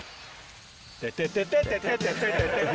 テテテテテテテテ